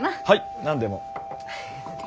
はい何でも。